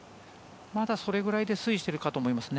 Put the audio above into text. まだそれぐらいで推移しているかと思いますね。